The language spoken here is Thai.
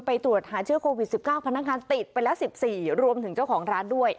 ตรวจหาเชื้อโควิด๑๙พนักงานติดไปแล้ว๑๔รวมถึงเจ้าของร้านด้วย